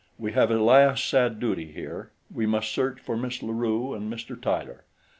We have a last sad duty here we must search for Miss La Rue and Mr. Tyler.